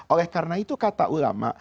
oleh karena itu kata ulama